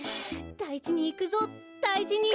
だいじにいくぞだいじに！